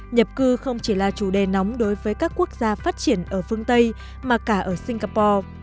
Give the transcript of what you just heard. nhập cư không chỉ là chủ đề nóng đối với các quốc gia phát triển ở phương tây mà cả ở singapore